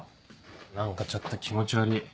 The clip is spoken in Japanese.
何かちょっと気持ち悪ぃ。